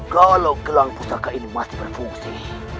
kalau gelang pusaka ini masih berfungsi